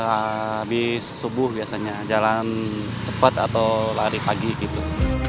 habis subuh biasanya jalan cepat atau lari pagi gitu